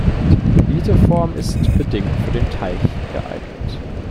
Diese Form ist bedingt für den Teich geeignet.